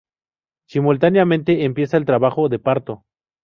Simultáneamente empieza el trabajo de parto.